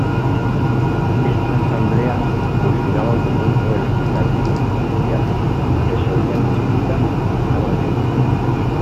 Estas asambleas, funcionaban como un poder legislativo y judicial, resolvían disputas y dictaban leyes.